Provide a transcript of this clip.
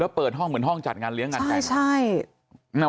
แล้วเปิดห้องเหมือนห้องจัดงานเลี้ยงงานไก่ใช่